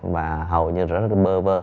và hầu như rất là bơ vơ